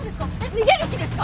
逃げる気ですか？